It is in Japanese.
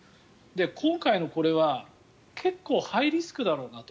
今回のこれは結構ハイリスクだろうなと。